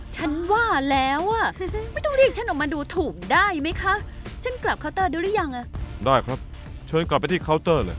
ฉันว่าแล้วไม่ต้องเรียกฉันออกมาดูถูกได้ไหมคะ